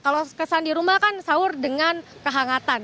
kalau kesan di rumah kan sahur dengan kehangatan